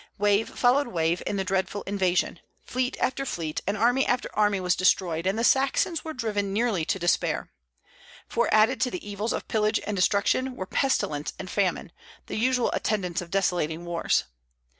Wave followed wave in the dreadful invasion; fleet after fleet and army after army was destroyed, and the Saxons were driven nearly to despair; for added to the evils of pillage and destruction were pestilence and famine, the usual attendants of desolating wars.